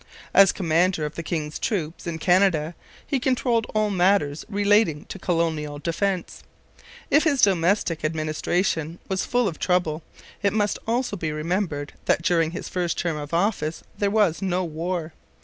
As commander of the king's troops in Canada he controlled all matters relating to colonial defence. If his domestic administration was full of trouble, it must also be remembered that during his first term of office there was no war.